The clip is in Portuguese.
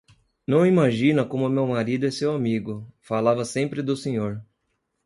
Não imagina como meu marido é seu amigo, falava sempre do senhor.